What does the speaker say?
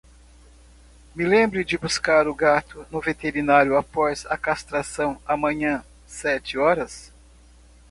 Me lembre de buscar o gato no veterinário após a castração amanhã sete horas.